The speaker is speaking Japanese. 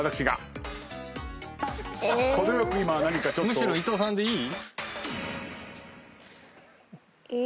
むしろ伊藤さんでいい？